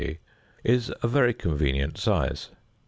c.), is a very convenient size.